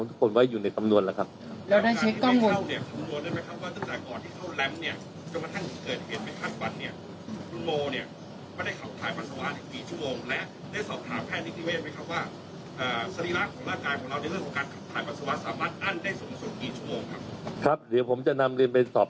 ส่วนคุณแทนเนี่ยมันมีความพนักงานสอบถ่วนจะต้องพิจารณาในเรื่องของปากประมาทใช่ไหมครับ